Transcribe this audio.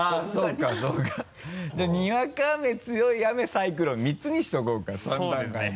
じゃあにわか雨強い雨サイクロン３つにしておこうか３段階に。